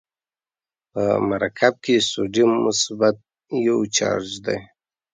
په مرکب کې سودیم مثبت یو چارج دی.